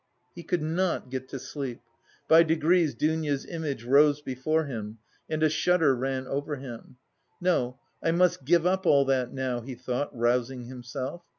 He could not get to sleep. By degrees Dounia's image rose before him, and a shudder ran over him. "No, I must give up all that now," he thought, rousing himself.